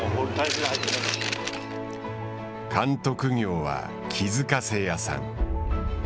監督業は気づかせ屋さん。